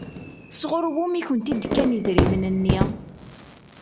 Sɣur wumi i kent-d-kan idrimen-nni?